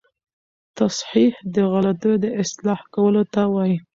تصحیح د غلطیو اصلاح کولو ته وايي.